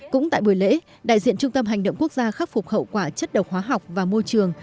cũng tại buổi lễ đại diện trung tâm hành động quốc gia khắc phục hậu quả chất độc hóa học và môi trường